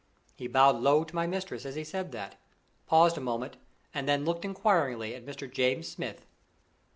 He bowed low to my mistress as he said that, paused a moment, and then looked inquiringly at Mr. James Smith.